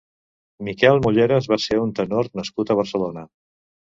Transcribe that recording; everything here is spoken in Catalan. Miquel Mulleras va ser un tenor nascut a Barcelona.